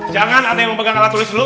jangan ada yang memegang alat tulis dulu